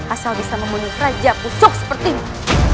asal bisa membunuh raja pucuk seperti ini